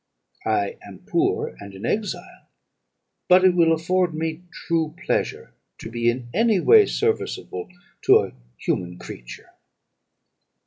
I am poor, and an exile; but it will afford me true pleasure to be in any way serviceable to a human creature.'